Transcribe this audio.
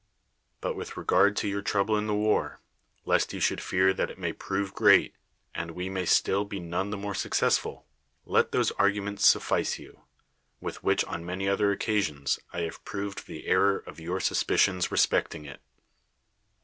But with regard to your trouble in the war, lest you should fear that it may prove great, and we may still be none the more successful, let those arguments suffice you, with which on many other occasions I have proved the error of your suspicions respecting it.